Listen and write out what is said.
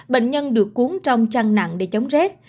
bệnh nhân được cuốn trong chăn nặng để chống rét